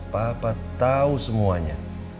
papa tahu semuanya